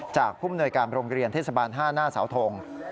จากผู้อำนวยการโรงเรียนเทศบาล๕หน้าสาวโทง